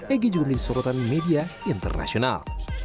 egy juga menjadi sorotan media internasional